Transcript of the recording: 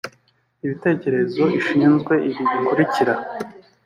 ibitekerezo ishinzwe ibi bikurikira